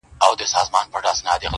دا خيبر دی دا شمشاد دی -